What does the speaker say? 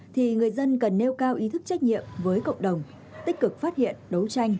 thì người dân cần nêu cao ý thức trách nhiệm với cộng đồng tích cực phát hiện đấu tranh